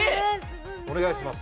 お願いします